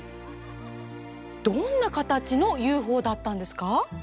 どんな形のＵＦＯだったんですか？